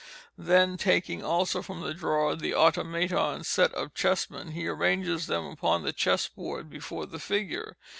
Then taking also from the drawer the Automaton's set of chess men, he arranges them upon the chessboard before the figure.